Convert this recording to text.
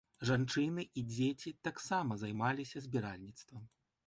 Жанчыны і дзеці таксама займаліся збіральніцтвам.